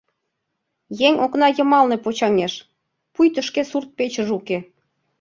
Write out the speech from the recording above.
Еҥ окна йымалне почаҥеш, пуйто шке сурт-печыже уке.